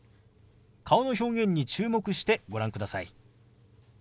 顔の表現に注目してご覧ください。